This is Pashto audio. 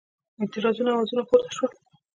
اعتراضونو آوازونه پورته شول.